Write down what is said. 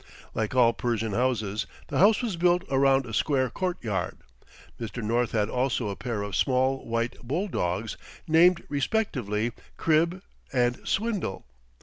Like all Persian houses, the house was built around a square court yard. Mr. North had also a pair of small white bull dogs, named, respectively, "Crib" and "Swindle."